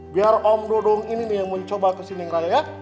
biar om dudung ini nih yang mencoba kesini ngeraya